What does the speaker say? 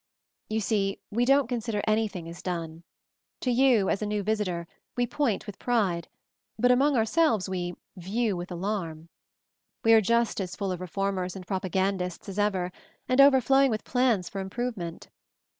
"You see, we don't consider anything as done.. To you, as a new visitor, we 'point with pride/ hut among ourselves we 'view with alarm. 9 We are just as full of Reform ers and Propagandists as ever, and over flowing with plans for improvement.